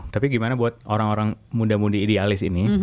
tapi gimana buat orang orang muda mudi idealis ini